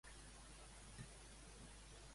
Quan és que li diu que el pot començar a portar?